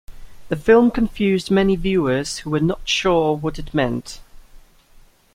The film confused many viewers who were not sure what it meant.